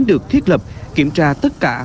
được thiết lập kiểm tra tất cả